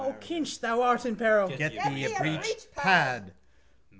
O, Kinch, thou art in peril. Get thee a breechpad.